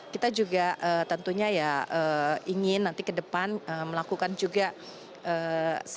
kita juga tentunya ya ingin nanti ke depan melakukan juga